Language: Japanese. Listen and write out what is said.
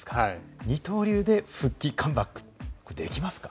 二刀流で復帰カムバックできますか？